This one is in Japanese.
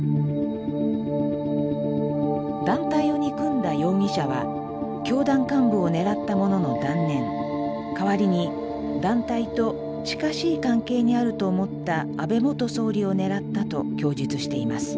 団体を憎んだ容疑者は教団幹部を狙ったものの断念代わりに団体と近しい関係にあると思った安倍元総理を狙ったと供述しています。